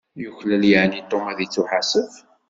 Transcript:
Yuklal yeεni Tom ad ittuḥasef?